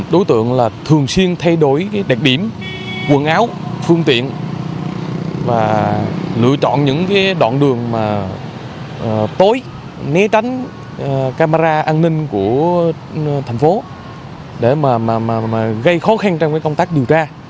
đối tượng là thường xuyên thay đổi đặc điểm quần áo phương tiện và lựa chọn những đoạn đường tối né tránh camera an ninh của thành phố để mà gây khó khăn trong công tác điều tra